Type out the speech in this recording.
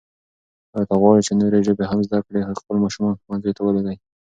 آیا ته غواړې چې نورې ژبې هم زده کړې؟ خپل ماشومان ښوونځیو ته ولېږئ.